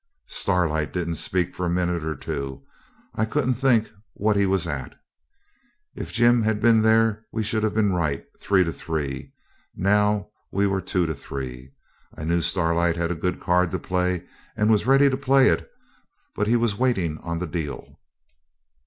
Starlight didn't speak for a minute or two. I couldn't think what he was at. If Jim had been there we should have been right, three to three. Now we were two to three. I knew Starlight had a good card to play, and was ready to play it, but he was waiting on the deal.